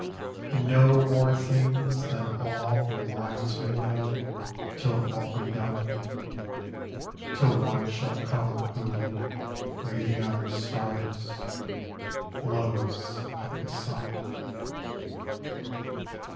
And know more things than all the wise may know Till all be done; Till One shall come who, breathing on the stars, Blows out the sun.